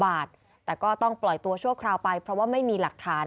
บาทแต่ก็ต้องปล่อยตัวชั่วคราวไปเพราะว่าไม่มีหลักฐาน